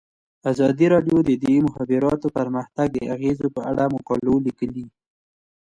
ازادي راډیو د د مخابراتو پرمختګ د اغیزو په اړه مقالو لیکلي.